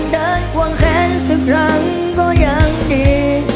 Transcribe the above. เดินกว่างแขนสักครั้งก็ยังดี